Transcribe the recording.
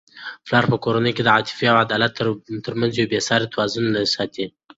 پلار په کورنی کي د عاطفې او عدالت ترمنځ یو بې سارې توازن ساتي.